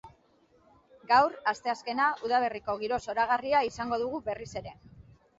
Gaur, asteazkena, udaberriko giro zoragarria izango dugu berriz ere.